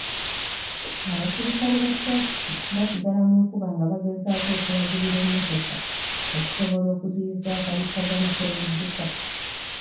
Abaserikale ba tulafiki basigala mu nkuba nga bagezaako okulagirira emmotoka okusobola okuziiyiza akalipagano k'ebidduka.